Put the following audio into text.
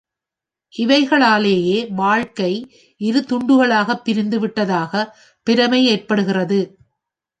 இவைகளாலேயே வாழ்க்கை இரு துண்டுகளாகப் பிரிந்து விட்டதாகப் பிரமை ஏற்படுகிறது.